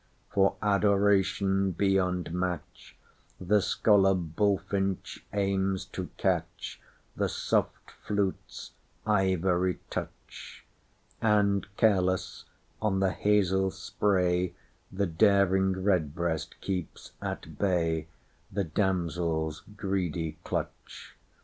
For Adoration, beyond match, The scholar bullfinch aims to catchThe soft flute's ivory touch:And, careless, on the hazel sprayThe daring redbreast keeps at bayThe damsel's greedy clutch.